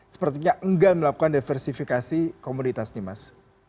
sepertinya nggak melakukan diversifikasi komoditas ini mas